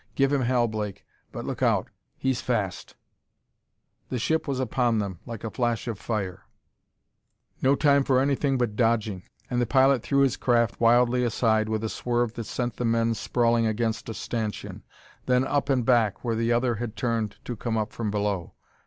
Give him hell, Blake, but look out he's fast!" The ship was upon them like a flash of fire; no time for anything but dodging, and the pilot threw his craft wildly aside with a swerve that sent the men sprawling against a stanchion. Then up and back, where the other had turned to come up from below.